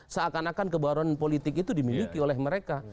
seakan akan kebaruan politik itu dimiliki oleh mereka